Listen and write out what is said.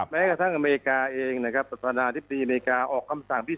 แม้กระทั่งอเมริกาเองนะครับสัฒนาที่ปีอเมริกาออกคำสั่งพิเศษ